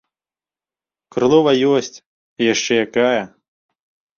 Крулова ёсць, і яшчэ якая!